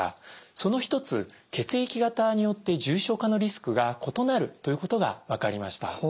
その一つ血液型によって重症化のリスクが異なるということが分かりました。